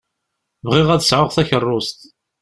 Bɣiɣ ad sɛuɣ takeṛṛust.